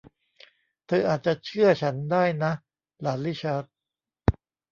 เธออาจจะเชื่อฉันได้นะ หลานริชาร์ด